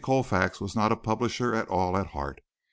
Colfax was not a publisher at all at heart.